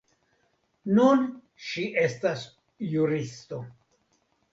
Nun ŝi estas juristo.